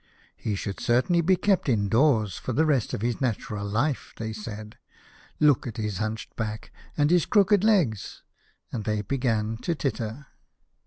" He should certainly be kept indoors for the rest of his natural life," they said. " Look at his hunched back, and his crooked legs," and they began to titter.